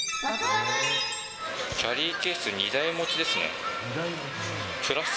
キャリーケース２台持ちですね。